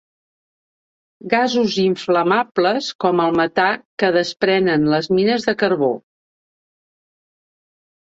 Gasos inflamables, com el metà, que desprenen les mines de carbó.